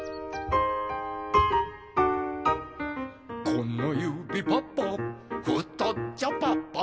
「このゆびパパふとっちょパパ」